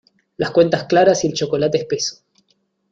Las cuentas claras y el chocolate espeso.